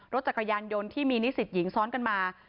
รถจักรยานยนต์ที่มีนิสิตหญิงซ้อนกันมา